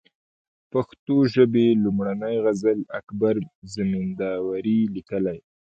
د پښتو ژبي لومړنۍ غزل اکبر زمینداوري ليکلې